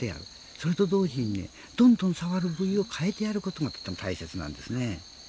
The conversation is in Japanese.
それと同時にねどんどん触る部位を変えてやることがとても大切なんですね。